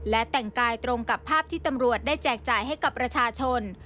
และแต่งกายตรงกับภาพที่ตำรวจได้แจกจ่ายให้กับประชาชน